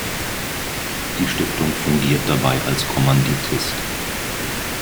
Die Stiftung fungiert dabei als Kommanditist.